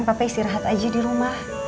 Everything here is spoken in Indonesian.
papa istirahat aja di rumah